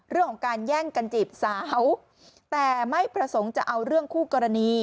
เรื่องของการแย่งกันจีบสาวแต่ไม่ประสงค์จะเอาเรื่องคู่กรณี